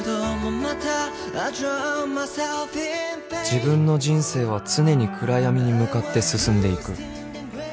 ［自分の人生は常に暗闇に向かって進んでいく］